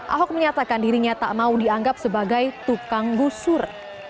ahok menyatakan dirinya tak mau dianggap sebagai tukang gusur